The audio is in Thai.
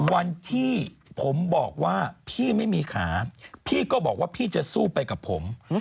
วันที่ผมบอกว่าพี่ไม่มีขาพี่ก็บอกว่าพี่จะสู้ไปกับผม